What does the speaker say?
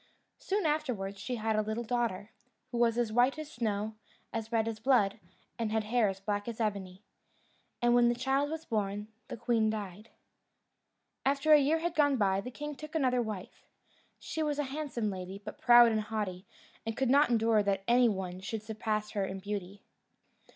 Soon afterwards she had a little daughter, who was as white as snow, as red as blood, and had hair as black as ebony. And when the child was born, the queen died. After a year had gone by, the king took another wife. She was a handsome lady, but proud and haughty, and could not endure that any one should surpass her in beauty.